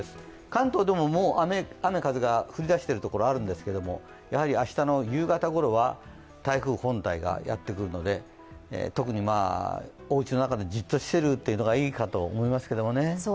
関東でももう雨風が降りだしている所はあるんですがやはり明日の夕方ごろは台風本体がやってくるので特におうちの中でじっとしてるのがいいかと思いますけどね。